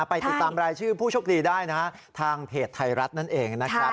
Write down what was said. ไปติดตามรายชื่อผู้โชคดีได้นะฮะทางเพจไทยรัฐนั่นเองนะครับ